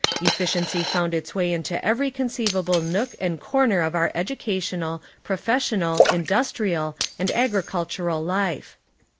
Efficiency found its waj' into every con ceivable nook and corner of our educational^ professional, indus trial and agricultural life.